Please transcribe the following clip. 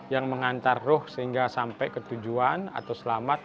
yang mengantar ruh sehingga sampai ke tujuan atau selamat